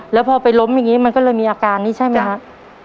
แล้วพอไปล้มแบบนี้มันก็เลยมีอาการนี่ใช่มั้ยครับ